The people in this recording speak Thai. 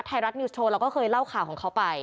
ไทยรัฐนิวส์โชว์เราก็เคยเล่าข่าวของเขาไป